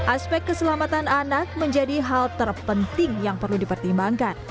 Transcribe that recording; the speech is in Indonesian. aspek keselamatan anak menjadi hal terpenting yang perlu dipertimbangkan